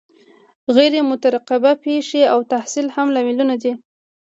غیر مترقبه پیښې او تحصیل هم لاملونه دي.